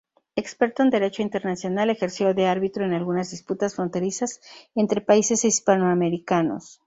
Experto en Derecho Internacional, ejerció de árbitro en algunas disputas fronterizas entre países hispanoamericanos.